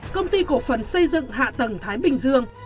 công ty cổ phần xây dựng hạ tầng thái bình dương